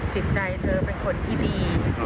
จิตใจเธอเป็นคนที่ดี